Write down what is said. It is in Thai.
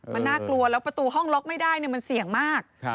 มันน่ากลัวแล้วประตูห้องล็อกไม่ได้มันเสี่ยงมาก